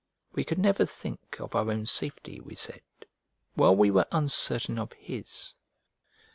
We could never think of our own safety, we said, while we were uncertain of his.